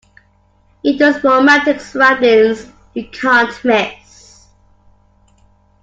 In those romantic surroundings you can't miss.